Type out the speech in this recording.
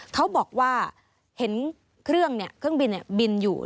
เขาบอกว่าเห็นเครื่องบินอยู่